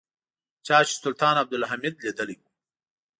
چا چې سلطان عبدالحمید لیدلی و.